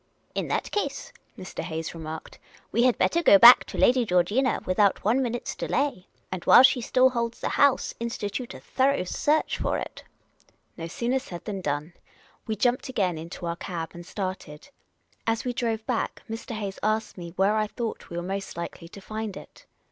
" In that case," Mr. Hayes remarked, " we had better go back to Lady Georgina wilhout onu minute's delay, and, The Unprofessional Detective 327 while she still holds the house, institute a thorough search for it." No sooner said than done. We jumped again into our cab and started. As we drove back, Mr. Hayes asked me where I thought we were most likely to find it.